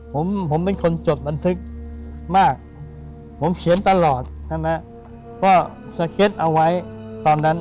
ผมผมเป็นคนจดบันทึกมากผมเขียนตลอดใช่ไหมเพราะสเก็ตเอาไว้ตอนนั้น